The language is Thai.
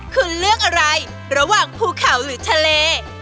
คุณเลือกอะไรระหว่างภูเขาหรือทะเล